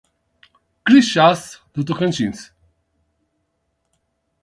Crixás do Tocantins